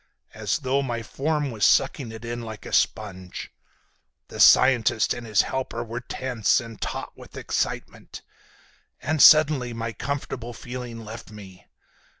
As though my form was sucking it in like a sponge. The scientist and his helper were tense and taut with excitement. And suddenly my comfortable feeling left me.